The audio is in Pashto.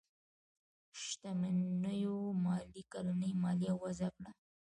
شتمنيو ماليې کلنۍ ماليه وضعه کړي.